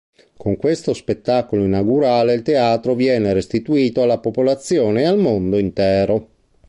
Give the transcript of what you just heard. Con questo spettacolo inaugurale il Teatro viene restituito alla popolazione e al mondo intero.